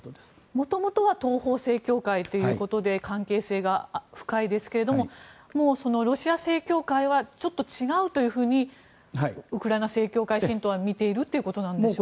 もともとは東方正教会ということで関係性が深いですがロシア正教会はちょっと違うとウクライナ正教会の信徒は見ているということなんでしょうか。